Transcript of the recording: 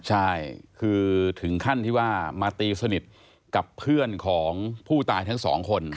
ใช่คือถึงขั้นที่ว่ามาตีสนิทกับเพื่อนของผู้ตายทั้งสองคน